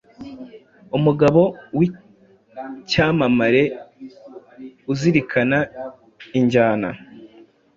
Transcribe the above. Umugabo wicyamamareuzirikana injyana